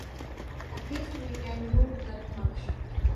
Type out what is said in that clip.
At least we can do that much.